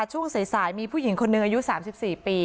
ช่วงสายมีผู้หญิงคนหนึ่งอายุ๓๔ปี